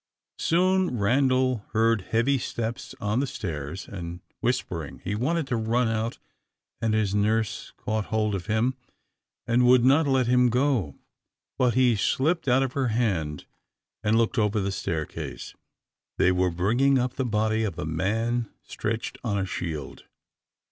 Soon Randal heard heavy steps on the stairs, and whispering. He wanted to run out, and his nurse caught hold of him, and would not have let him go, but he slipped out of her hand, and looked over the staircase. They were bringing up the body of a man stretched on a shield.